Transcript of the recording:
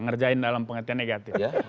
mengerjakan dalam pengetahuan negatif